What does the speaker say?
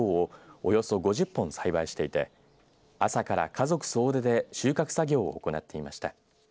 およそ５０本栽培していて朝から家族総出で収穫作業を行っていました。